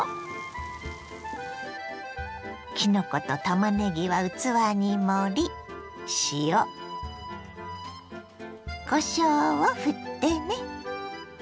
きのことたまねぎは器に盛り塩こしょうをふってね。